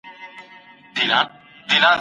که ته پلټنه نه کوې نو څېړونکی نه یې.